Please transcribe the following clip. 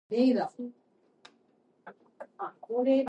That is what I had in mind.